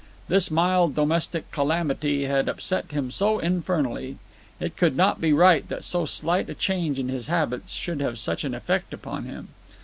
This mild domestic calamity had upset him so infernally. It could not be right that so slight a change in his habits should have such an effect upon him.